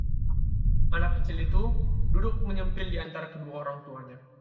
anak kecil itu duduk menyempil di antara kedua orang tuanya